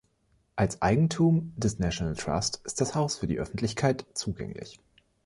Als Eigentum des National Trust ist das Haus für die Öffentlichkeit zugänglich.